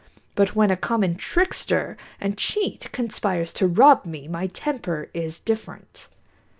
But when a common trickster and cheat conspires to rob me, my temper is different.